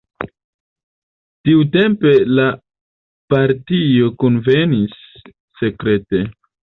Tiutempe la partio kunvenis sekrete.